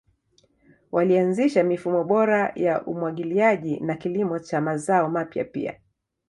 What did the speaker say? Walianzisha mifumo bora ya umwagiliaji na kilimo cha mazao mapya pia.